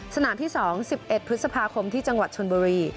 สนามที่๒๑๑พฤษภาคมที่จังหวัดชนบุรี